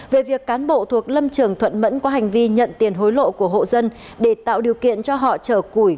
về việc cán bộ thuộc lâm trường thuận mẫn có hành vi nhận tiền hối lộ của hộ dân để tạo điều kiện cho họ chở củi